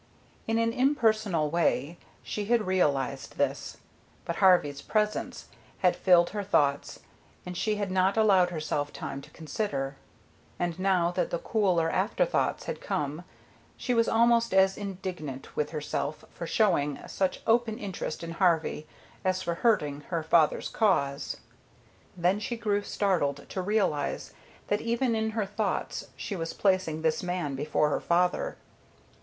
In an impersonal way she had realized this, but Harvey's presence had filled her thoughts, and she had not allowed herself time to consider. And now that the cooler afterthoughts had come she was almost as indignant with herself for showing such open interest in Harvey as for hurting her father's cause. Then she grew startled to realize that even in her thoughts she was placing this man before her father.